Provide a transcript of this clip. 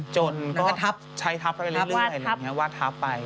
ก็ใช้ทัพไปเรื่อยวาดทัพไป